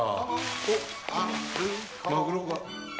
おっマグロが。